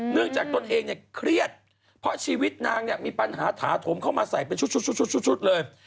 จากตนเองเนี่ยเครียดเพราะชีวิตนางเนี่ยมีปัญหาถาโถมเข้ามาใส่เป็นชุดเลย